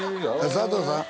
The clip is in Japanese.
佐藤さん？」